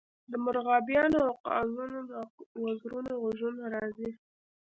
د مرغابیانو او قازونو د وزرونو غږونه راځي